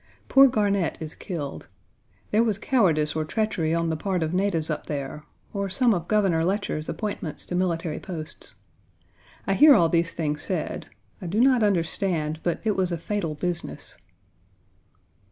Poor Garnett is killed. There was cowardice Page 86 or treachery on the part of natives up there, or some of Governor Letcher's appointments to military posts. I hear all these things said. I do not understand, but it was a fatal business.